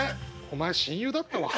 お前親友だったわ」。